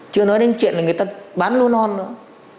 chưa nói đến chuyện là người ta bán luôn non nữa